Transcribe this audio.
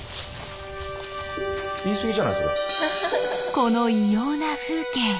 この異様な風景。